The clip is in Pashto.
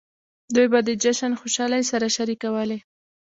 دوی به د جشن خوشحالۍ سره شریکولې.